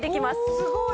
すごい！